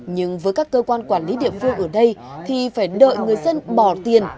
nhưng với các cơ quan quản lý địa phương ở đây thì phải đợi người dân bỏ tiền